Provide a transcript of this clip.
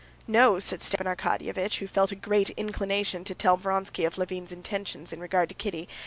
"No," said Stepan Arkadyevitch, who felt a great inclination to tell Vronsky of Levin's intentions in regard to Kitty.